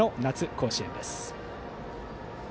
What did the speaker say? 甲子園です。